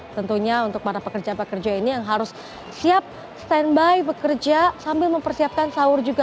tentunya untuk para pekerja pekerja ini yang harus siap standby bekerja sambil mempersiapkan sahur juga